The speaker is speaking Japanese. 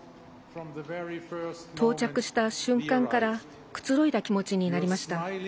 到着した瞬間からくつろいだ気持ちになりました。